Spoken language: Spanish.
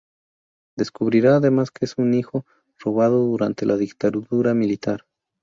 Descubrirá además que es un hijo robado durante la dictadura militar.